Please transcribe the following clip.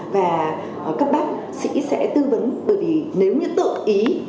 và các bác sĩ sẽ tư vấn bởi vì nếu như tự ý